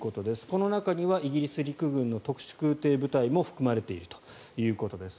この中にはイギリス陸軍の特殊空挺部隊も含まれているということです。